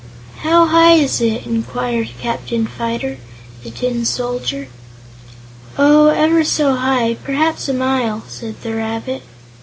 "How high is it?" inquired Captain Fyter, the Tin Soldier. "Oh, ever so high; perhaps a mile," said the rabbit.